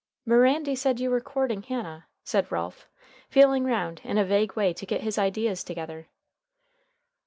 "Mirandy said you were courting Hannah," said Ralph, feeling round in a vague way to get his ideas together.